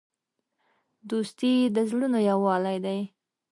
دوستي د زړونو یووالی دی.